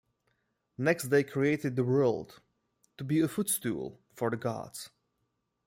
Next they created the world to be a foot stool for the Gods.